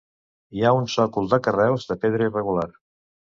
Hi ha un sòcol de carreus de pedra irregular.